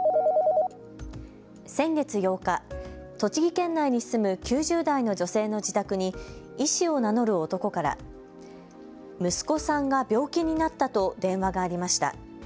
先月８日、栃木県内に住む９０代の女性の自宅に医師を名乗る男から息子さんが病気になったと電話がありました。